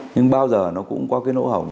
nhưng bao giờ nó cũng có cái nỗ hồng